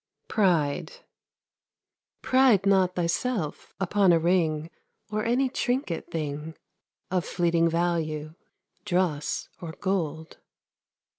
PRIDE Pride not thyself upon a ring, Or any trinket thing Of fleeting value, dross or gold.